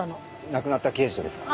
亡くなった刑事とですか？